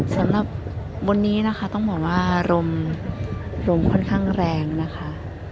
สำหรับวันนี้นะคะต้องบอกว่าลมค่อนข้างแรงนะคะ